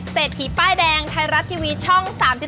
เศรษฐีป้ายแดงไทยรัฐทีวีช่อง๓๒